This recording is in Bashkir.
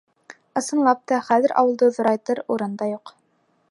Ысынлап та, хәҙер ауылды ҙурайтыр урын да юҡ.